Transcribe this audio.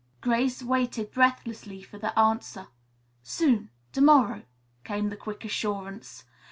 Grace waited breathlessly for the answer. "Soon; to morrow," came the quick assurance.